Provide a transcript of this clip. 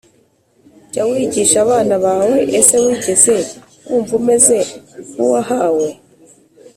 Jya wigisha abana bawe Ese wigeze wumva umeze nk uwahawe